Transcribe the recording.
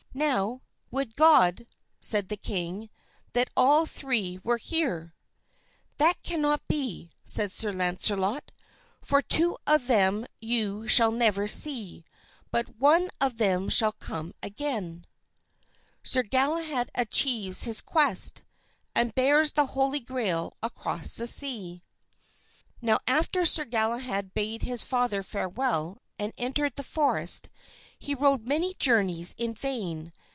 "Now, would God," said the king, "that all three were here." "That cannot be," said Sir Launcelot, "for two of them you shall never see, but one of them shall come again." Sir Galahad Achieves His Quest, and Bears the Holy Grail Across the Sea Now after Sir Galahad bade his father farewell and entered the forest, he rode many journeys in vain.